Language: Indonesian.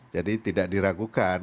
jadi tidak diragukan